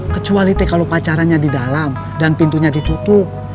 kecuali teh kalo pacarannya di dalam dan pintunya ditutup